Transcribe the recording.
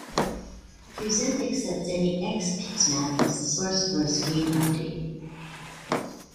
Present accepts any X pixmap as the source for a screen update.